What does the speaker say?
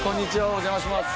お邪魔します。